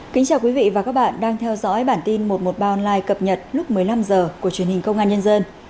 kính chào quý vị và các bạn đang theo dõi bản tin một trăm một mươi ba online cập nhật lúc một mươi năm h của truyền hình công an nhân dân